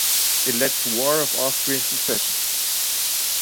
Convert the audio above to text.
It led to War of Austrian Succession.